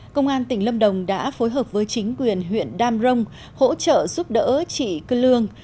công an tỉnh lâm đồng đã phối hợp với chính quyền huyện đam rông hỗ trợ giúp đỡ chị cơ lương